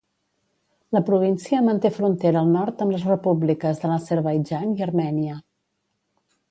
La província manté frontera al nord amb les repúbliques de l'Azerbaidjan i Armènia.